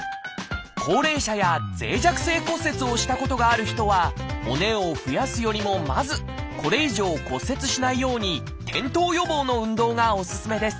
高齢者や脆弱性骨折をしたことがある人は骨を増やすよりもまずこれ以上骨折しないように転倒予防の運動がおすすめです。